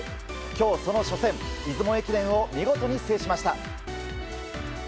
今日、その初戦出雲駅伝を見事に制しました。